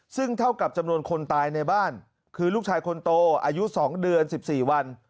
ซึ่งเท่ากับจำนวนคนตายในบ้านคือลูกชายคนโตอายุ๒เดือน๑๔วัน